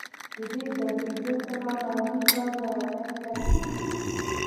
د دې ګډېدو څخه مالي پانګه رامنځته کېږي